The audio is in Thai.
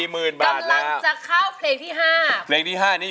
เมื่อหรืออันดับอยู่นี้